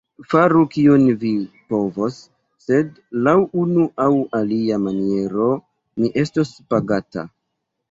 Faru, kion vi povos; sed, laŭ unu aŭ alia maniero, mi estos pagata.